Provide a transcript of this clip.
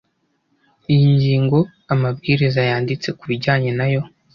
iyi ngingo amabwiriza yanditse ku bijyanye nayo